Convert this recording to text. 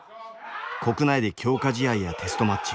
国内で強化試合やテストマッチ